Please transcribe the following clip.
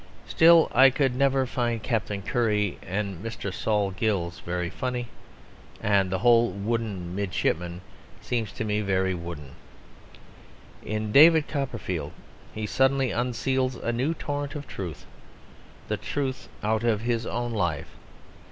Still, I could never find Captain Cuttle and Mr. Sol Gills very funny, and the whole Wooden Midshipman seems to me very wooden. In David Copperfield he suddenly unseals a new torrent of truth, the truth out of his own life.